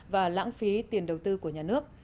và lãng phí tiền đầu tư của nhà nước